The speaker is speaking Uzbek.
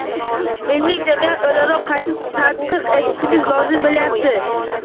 ilmini jamiyat o‘laroq qayta tadqiq etishimiz lozim bo‘layapti.